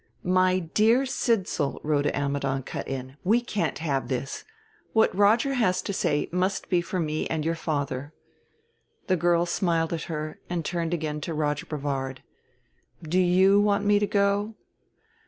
"My dear Sidsall," Rhoda Ammidon cut in; "we can't have this. What Roger has to say must be for me and your father." The girl smiled at her and turned again to Roger Brevard. "Do you want me to go?"